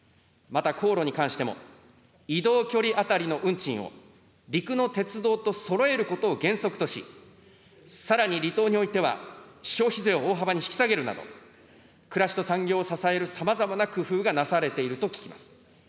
また航路に関しても、移動距離当たりの運賃を陸の鉄道とそろえることを原則とし、さらに離島においては、消費税を大幅に引き下げるなど、暮らしと産業を支えるさまざまな工夫がなされていると聞きます。